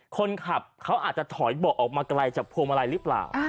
คนขับเขาอาจจะถอยเบาะออกมาไกลจากพวงมาลัยหรือเปล่า